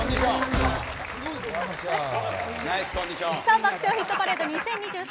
「爆笑ヒットパレード２０２３」。